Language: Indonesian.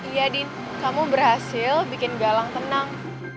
ya din kamu berhasil bikin galang tenang